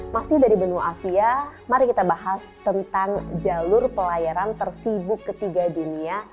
masih dari benua asia mari kita bahas tentang jalur pelayaran tersibuk ketiga dunia